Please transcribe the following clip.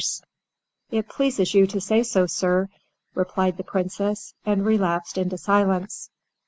"It pleases you to say so, sir," replied the Princess, and relapsed into silence.